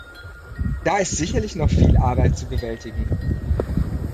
Da ist sicherlich noch viel Arbeit zu bewältigen.